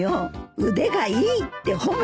腕がいいって褒めてたわ。